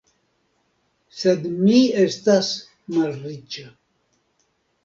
Sed mi estas malriĉa.